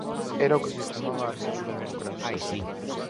Era o que se chamaba a ruptura democrática.